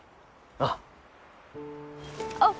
あっあっ！